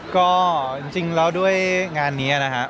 ก็จริงแล้วด้วยงานนี้นะครับ